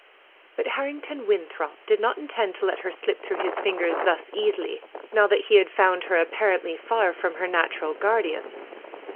But Harrington Winthrop did not intend to let her slip through his fingers thus easily, now that he had found her, apparently far from her natural guardians.